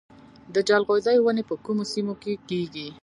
د جلغوزیو ونې په کومو سیمو کې کیږي؟